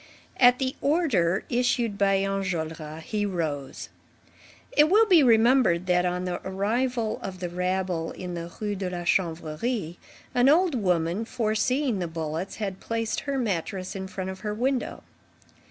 At the order issued by Enjolras, he rose. It will be remembered that, on the arrival of the rabble in the Rue de la Chanvrerie, an old woman, foreseeing the bullets, had placed her mattress in front of her window.